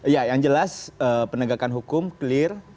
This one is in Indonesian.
ya yang jelas penegakan hukum clear